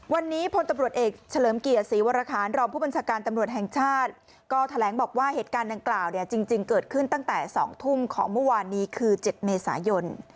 วันนี้พลตำรวจเอกเฉลิมเกียรติศรีวรคารรองผู้บัญชาการตำรวจแห่งชาติก็แถลงบอกว่าเหตุการณ์ดังกล่าวเนี่ยจริงเกิดขึ้นตั้งแต่๒ทุ่มของเมื่อวานนี้คือ๗เมษายน